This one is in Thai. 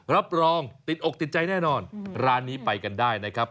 รับรองติดอกติดใจแน่นอนร้านนี้ไปกันได้นะครับ